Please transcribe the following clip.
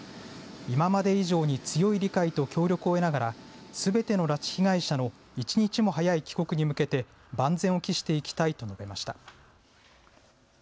今まで以上に強い理解と協力を得ながらすべての拉致被害者の一日も早い帰国に向けて万全を期していきたいと述べました。